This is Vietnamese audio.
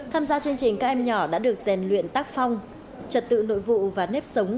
tham gia chương trình các em nhỏ đã được rèn luyện tác phong trật tự nội vụ và nếp sống